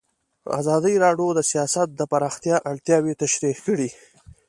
ازادي راډیو د سیاست د پراختیا اړتیاوې تشریح کړي.